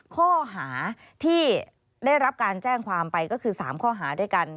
ข้อหาที่ได้รับการแจ้งความไปก็คือ๓ข้อหาด้วยกัน